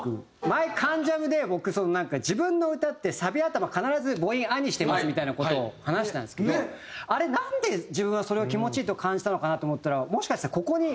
前『関ジャム』で僕「自分の歌ってサビ頭必ず母音“あ”にしてます」みたいな事を話したんですけどあれなんで自分はそれを気持ちいいと感じたのかなと思ったらもしかしたらここに。